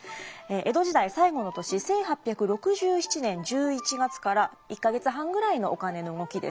江戸時代最後の年１８６７年１１月から１か月半ぐらいのお金の動きです。